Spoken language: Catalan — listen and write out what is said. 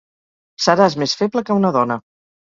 Seràs més feble que una dona.